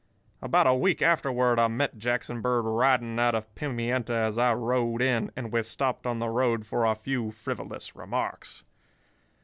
"About a week afterward I met Jackson Bird riding out of Pimienta as I rode in, and we stopped on the road for a few frivolous remarks.